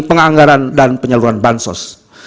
penganggaran dan penyaluran bansos